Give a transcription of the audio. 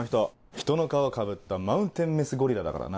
人の皮をかぶったマウンテンメスゴリラだからな。